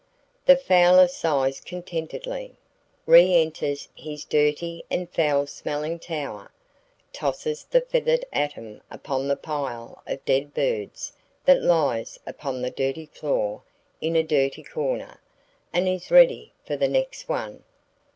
The fowler sighs contentedly, re enters his dirty and foul smelling tower, tosses the feathered atom upon the pile of dead birds that lies upon the dirty floor in a dirty corner,—and is ready for the next one.